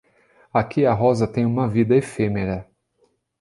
Aqui a rosa tem uma vida efêmera.